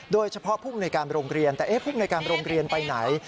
โดยเฉพาะผู้ในการโรงเรียนแต่ผู้ในการโรงเรียนไปไหน